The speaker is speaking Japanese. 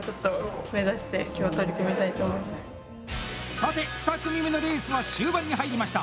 さて２組目のレースは終盤に入りました！